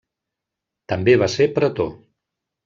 També va ser pretor.